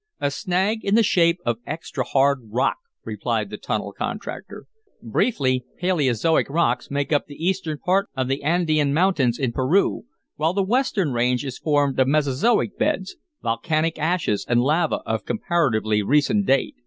"A snag in the shape of extra hard rock," replied the tunnel contractor. "Briefly, Paleozoic rocks make up the eastern part of the Andean Mountains in Peru, while the western range is formed of Mesozoic beds, volcanic ashes and lava of comparatively recent date.